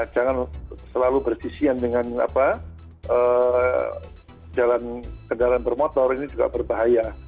jangan selalu bersisian dengan jalan kendaraan bermotor ini juga berbahaya